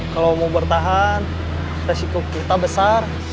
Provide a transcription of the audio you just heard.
kalau mau bertahan resiko kita besar